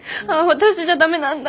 私じゃ駄目なんだ